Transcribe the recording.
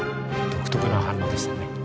独特な反応でしたね。